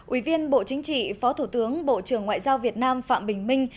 ủy viên bộ chính trị phó thủ tướng bộ trưởng ngoại giao việt nam phạm bình minh